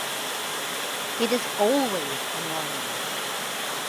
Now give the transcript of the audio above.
It is always annoying.